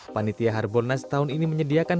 panitia harbolnas tahun ini menyediakan